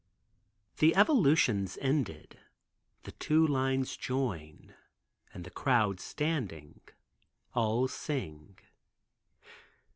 The evolutions ended, the two lines join, and the crowd standing, all sing.